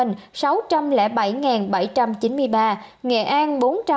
nghệ an bốn trăm bảy mươi tám một trăm chín mươi tám